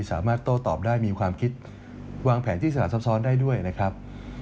สามารถโต้ตอบได้มีความคิดวางแผนที่สลับซับซ้อนได้ด้วยนะครับ